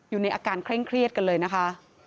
อยู่ในอาการเคร่งเครียดกันเลยนะคะ